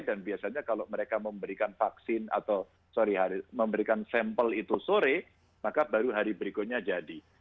dan biasanya kalau mereka memberikan sampel itu sore maka baru hari berikutnya jadi